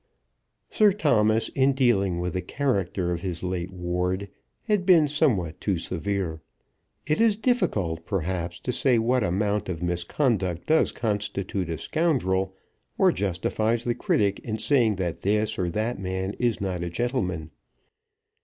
Sir Thomas, in dealing with the character of his late ward, had been somewhat too severe. It is difficult, perhaps, to say what amount of misconduct does constitute a scoundrel, or justifies the critic in saying that this or that man is not a gentleman.